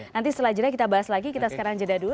nanti setelah jeda kita bahas lagi kita sekarang jeda dulu